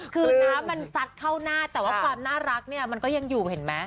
คือน้ำมันซัดเข้าหน้าแต่ว่าความน่ารักเนี่ยมันก็ยังอยู่เห็นไหม